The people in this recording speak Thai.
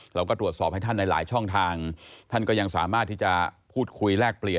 เราก็ตรวจสอบให้ท่านในหลายช่องทางท่านก็ยังสามารถที่จะพูดคุยแลกเปลี่ยน